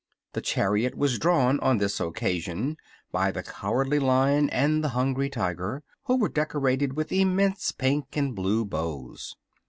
The chariot was drawn on this occasion by the Cowardly Lion and the Hungry Tiger, who were decorated with immense pink and blue bows.